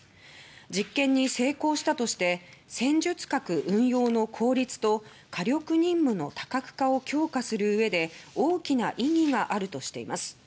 実験に成功したとして「戦術核運用の効率と火力任務の多角化を強化するうえで大きな意義がある」としています。